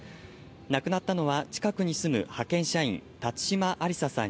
亡くなったのは近くに住む派遣社員、辰島ありささん